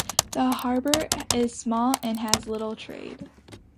The harbour is small and has little trade.